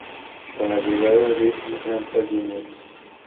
Con la llegada de Rampla Jrs.